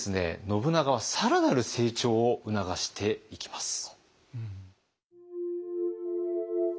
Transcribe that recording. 信長は更なる成長を促していきます。